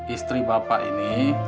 istri bapak ini